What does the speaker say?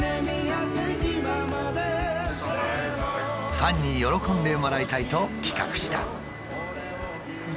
ファンに喜んでもらいたいと企画した。